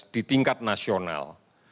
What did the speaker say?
di tingkat nasional